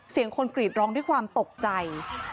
เสียงคนกรีดร้องด้วยความตกใจ